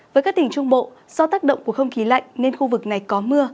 với các tỉnh trung bộ do tác động của không khí lạnh nên khu vực này có mưa